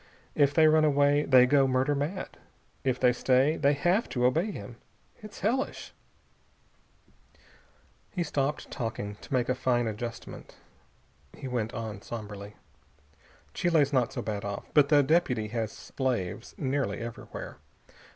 If they run away, they go murder mad. If they stay, they have to obey him. It's hellish!" He stopped talking to make a fine adjustment. He went on, somberly. "Chile's not so bad off, but the deputy has slaves nearly everywhere.